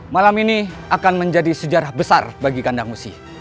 malam ini akan menjadi sejarah besar bagi kandang musi